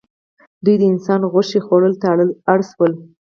دوی د انسان غوښې خوړلو ته اړ شول.